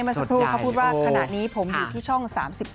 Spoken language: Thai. เมื่อสักครู่เขาพูดว่าขณะนี้ผมอยู่ที่ช่อง๓๒